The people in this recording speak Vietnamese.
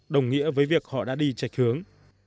đồng nghĩa với việc họ đã đi trạch hướng